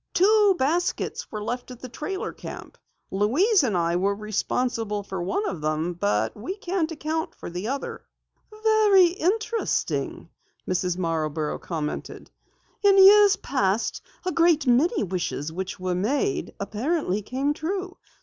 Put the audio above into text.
Two baskets were left at the trailer camp. Louise and I were responsible for one of them, but we can't account for the other." "Very interesting," Mrs. Marborough commented. "In years past, a great many wishes which were made here, apparently came true.